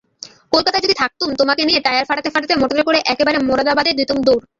কলকাতায় যদি থাকতুম তোমাকে নিয়ে টায়ার ফাটাতে ফাটাতে মোটরে করে একেবারে মোরাদাবাদে দিতুম দৌড়।